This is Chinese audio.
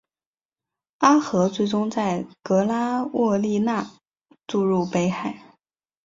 阿河最终在格拉沃利讷注入北海。